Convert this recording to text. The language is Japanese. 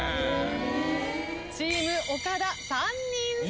チーム岡田３人正解。